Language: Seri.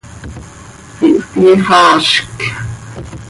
Ihpyixaazc.